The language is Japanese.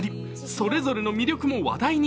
それぞれの魅力も話題に。